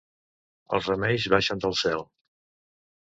Els remeis baixen del cel.